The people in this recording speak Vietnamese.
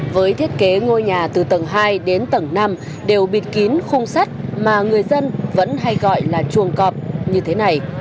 với thiết kế ngôi nhà từ tầng hai đến tầng năm đều bịt kín khung sắt mà người dân vẫn hay gọi là chuồng cọp như thế này